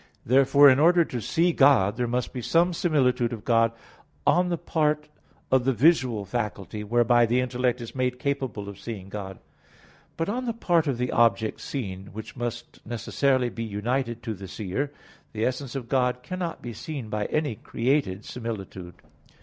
Therefore, in order to see God, there must be some similitude of God on the part of the visual faculty, whereby the intellect is made capable of seeing God. But on the part of the object seen, which must necessarily be united to the seer, the essence of God cannot be seen by any created similitude.